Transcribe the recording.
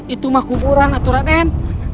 itu mah kuburan aturanen